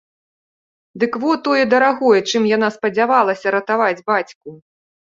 Дык во тое дарагое, чым яна спадзявалася ратаваць бацьку!